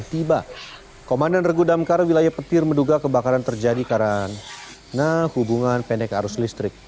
tiba komandan regu damkar wilayah petir menduga kebakaran terjadi karena hubungan pendek arus listrik